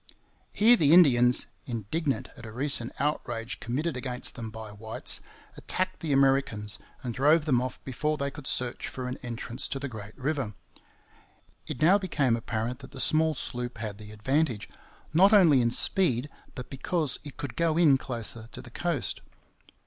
Here the Indians, indignant at a recent outrage committed against them by whites, attacked the Americans and drove them off before they could search for an entrance to the Great River. It now became apparent that the small sloop had the advantage, not only in speed, but because it could go in closer to the coast.